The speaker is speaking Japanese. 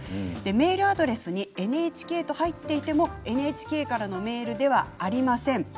メールアドレスにＮＨＫと入っていてもＮＨＫからのメールではありません。